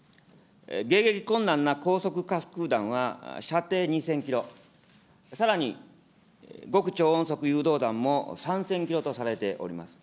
迎撃困難な高速滑空弾は射程２０００キロ、さらに極超音速誘導弾も３０００キロとされております。